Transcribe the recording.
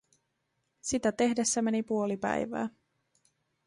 Sitä tehdessä meni puoli päivää.